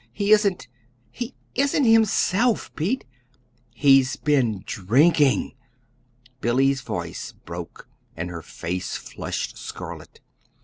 He isn't he isn't HIMSELF, Pete. He he's been DRINKING!" Billy's voice broke, and her face flushed scarlet.